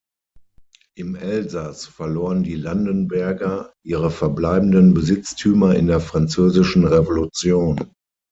Im Elsass verloren die Landenberger ihre verbleibenden Besitztümer in der Französischen Revolution.